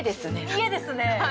家ですねえ。